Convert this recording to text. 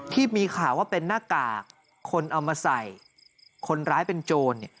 ที่มีข่าวว่าเป็นหน้ากากคนเอามาใส่คนร้ายเป็นโจร